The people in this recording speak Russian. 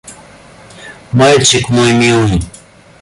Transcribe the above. Мальчик мой милый!